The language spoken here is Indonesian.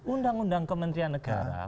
undang undang kementerian negara